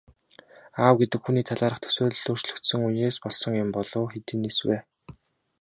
Аав гэдэг хүний талаарх төсөөлөл өөрчлөгдсөн үеэс болсон юм болов уу, хэдийнээс вэ?